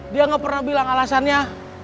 dia gak pernah bilang alasannya